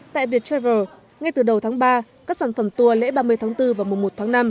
tại viettraver ngay từ đầu tháng ba các sản phẩm tour lễ ba mươi tháng bốn và mùa một tháng năm